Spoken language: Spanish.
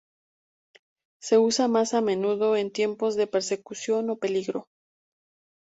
Se usa más a menudo en tiempos de persecución o peligro.